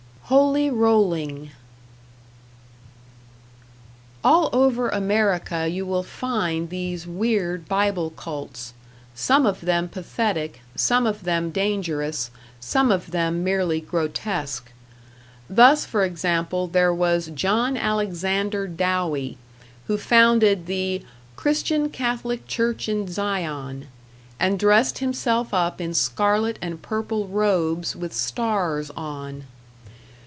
#Holy Rolling# All over America you will find these weird Bible cults, some of them pathetic, some of them dangerous, some of them merely grotesque. Thus, for example, there was John Alexander Dowie, who founded the "Christian Catholic Church in Zion" and dressed himself up in scarlet and purple robes with stars on.